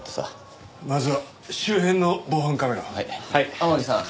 天樹さん。